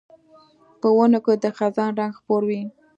په ونو کې د خزان رنګ خپور وي